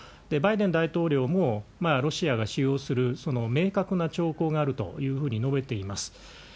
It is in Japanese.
で、バイデン大統領も、ロシアが使用する明確な兆候があるというふうに述べています。